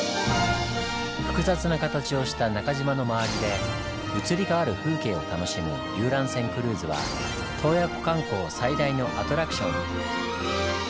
複雑な形をした中島の周りで移り変わる風景を楽しむ遊覧船クルーズは洞爺湖観光最大のアトラクション。